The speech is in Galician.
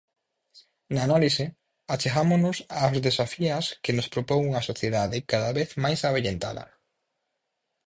Na análise, achegámonos aos desafías que nos propón unha sociedade cada vez máis avellentada.